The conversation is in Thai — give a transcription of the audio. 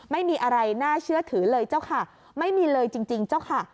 ไม่มีอะไรน่าเชื่อถือเลยเจ้าค่ะไม่มีเลยจริงเจ้าค่ะ